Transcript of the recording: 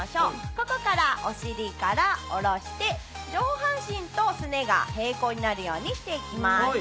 ここからお尻から下ろして上半身とすねが平行になるようにして行きます。